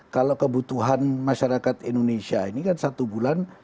kalau kebutuhan masyarakat indonesia ini kan satu bulan